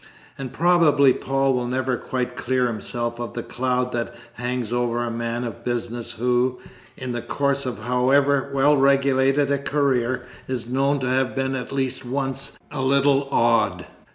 And probably Paul will never quite clear himself of the cloud that hangs over a man of business who, in the course of however well regulated a career, is known to have been at least once "a little odd."